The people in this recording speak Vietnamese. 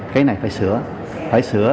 cái này phải sửa